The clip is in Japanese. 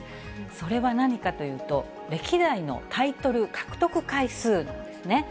それは何かというと、歴代のタイトル獲得回数なんですね。